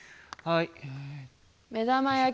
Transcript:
はい。